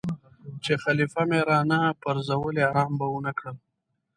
چې خلیفه مې را نه پرزولی آرام به ونه کړم.